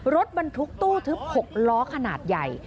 รถบรรทุกตู้ทึบ๖ล้อขนาดใหญ่